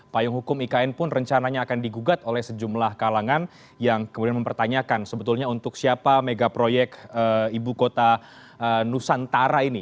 payung hukum ikn pun rencananya akan digugat oleh sejumlah kalangan yang kemudian mempertanyakan sebetulnya untuk siapa mega proyek ibu kota nusantara ini